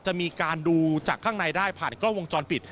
จะมีการดูจากข้างในได้ผ่านกล้องวงจรปิด